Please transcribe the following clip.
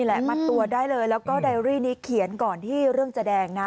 แหละมัดตัวได้เลยแล้วก็ไดรี่นี้เขียนก่อนที่เรื่องจะแดงนะ